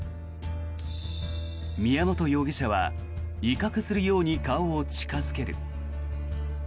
宮本容疑者は威嚇するように顔を近付ける。